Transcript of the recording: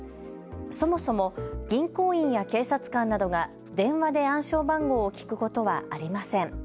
そもそも銀行員や警察官などが電話で暗証番号を聞くことはありません。